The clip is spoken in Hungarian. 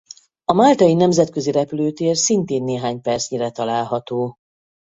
A máltai nemzetközi repülőtér szintén néhány percnyire található.